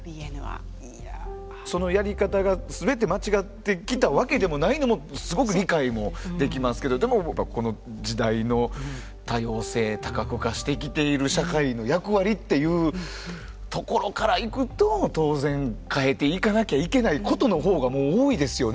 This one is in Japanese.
そのやり方が全て間違ってきたわけでもないのもすごく理解もできますけどでもやっぱこの時代の多様性多角化してきている社会の役割っていうところからいくと当然変えていかなきゃいけないことの方がもう多いですよね。